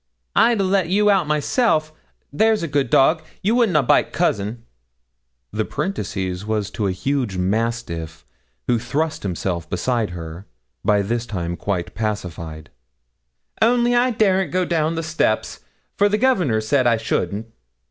'I'd a let you out myself there's a good dog, you would na' bite Cousin' (the parenthesis was to a huge mastiff, who thrust himself beside her, by this time quite pacified) 'only I daren't go down the steps, for the governor said I shouldn't.'